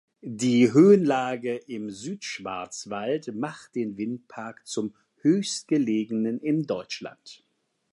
Die Höhenlage im Südschwarzwald macht den Windpark zum höchstgelegenen in Deutschland.